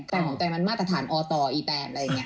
ของไตรมันมาตรฐานอตอีแตนอะไรอย่างนี้